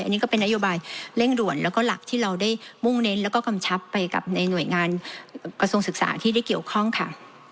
อันนี้ก็เป็นนโยบายเร่งด่วนแล้วก็หลักที่เราได้มุ่งเน้นแล้วก็กำชับไปกับในหน่วยงานกระทรวงศึกษาที่ได้เกี่ยวข้องค่ะ